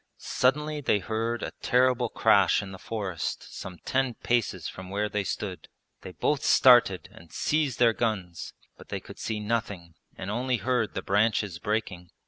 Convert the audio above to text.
Suddenly they heard a terrible crash in the forest some ten paces from where they stood. They both started and seized their guns, but they could see nothing and only heard the branches breaking.